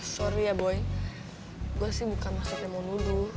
sorry ya boy gue sih bukan maksudnya mau nuduh